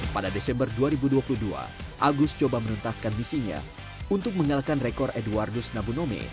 pada desember dua ribu dua puluh dua agus coba menuntaskan misinya untuk mengalahkan rekor edwardus nabunome